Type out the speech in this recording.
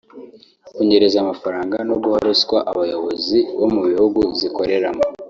kunyereza amafaranga no guha ruswa ababoyozi bo mu bihugu zikoreramo